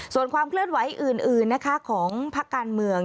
ส่วนความเคลื่อนไหวอื่นนะคะของพักการเมือง